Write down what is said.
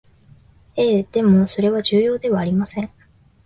ええ、でもそれは重要ではありません